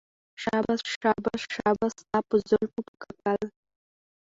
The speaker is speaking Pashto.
شاباش شاباش شاباش ستا په زلفو په كاكل